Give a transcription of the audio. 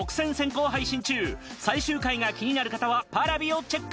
最終回が気になる方はＰａｒａｖｉをチェック！